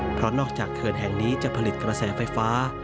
เพราะนอกจากเขื่อนแห่งนี้จะผลิตกระแสไฟฟ้า